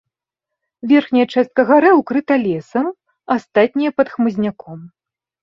Верхняя частка гары ўкрыта лесам, астатняя пад хмызняком.